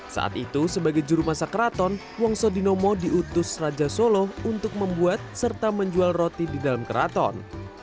saat itu sebagai juru masak keraton wong sodinomo diutus raja solo untuk membuat serta menjual roti di dalam keraton